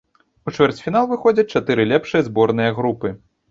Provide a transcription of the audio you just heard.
У чвэрцьфінал выходзяць чатыры лепшыя зборныя групы.